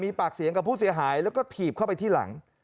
มีปากเสียงกับผู้เสียหายแล้วก็ถีบเข้าไปที่หลัง